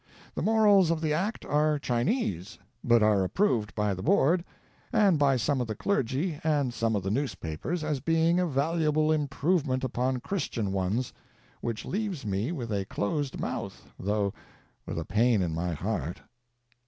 The morals of the act are Chinese, but are approved by the Board, and by some of the clergy and some of the newspapers, as being a valuable improvement upon Christian ones — which leaves me with a closed mouth, though with a pain in my heart.